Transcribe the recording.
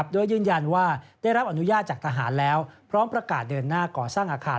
โดยยืนยันว่าได้รับอนุญาตจากทหารแล้วพร้อมประกาศเดินหน้าก่อสร้างอาคาร